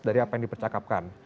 dari apa yang dipercakapkan